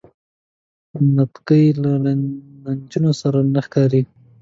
نتکۍ له نجونو سره ښه ښکاری.